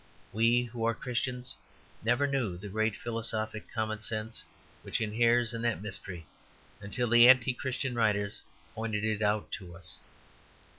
We who are Christians never knew the great philosophic common sense which inheres in that mystery until the anti Christian writers pointed it out to us.